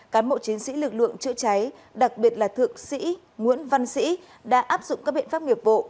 cán bộ chiến sĩ lực lượng chữa cháy đặc biệt là thượng sĩ nguyễn văn sĩ đã áp dụng các biện pháp nghiệp vụ